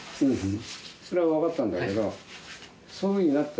それは分かったんだけど。